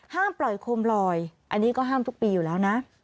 ห้ามปล่อยโคมลอยอันนี้ก็ห้ามทุกปีอยู่แล้วนะ